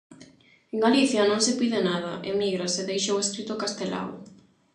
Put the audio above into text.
En Galicia non se pide nada, emígrase, deixou escrito Castelao.